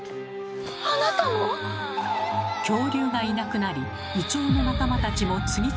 あなたも⁉恐竜がいなくなりイチョウの仲間たちも次々に姿を消します。